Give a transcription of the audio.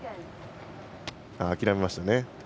諦めましたね。